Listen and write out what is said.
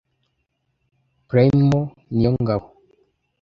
Prime Niyongabo